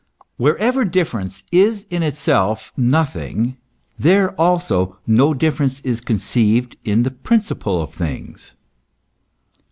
Wherever difference is in itself nothing, there also no difference is conceived in the principle of things.